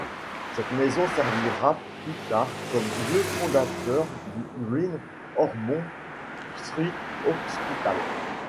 Cette maison servira plus tard comme lieu fondateur du Great Ormond Street Hospital.